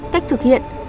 cách thực hiện